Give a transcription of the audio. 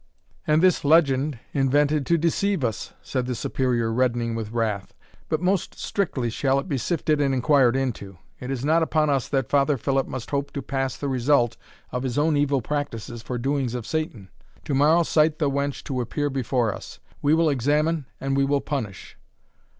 "And this legend invented to deceive us!" said the Superior, reddening with wrath; "but most strictly shall it be sifted and inquired into; it is not upon us that Father Philip must hope to pass the result of his own evil practices for doings of Satan. To morrow cite the wench to appear before us we will examine, and we will punish."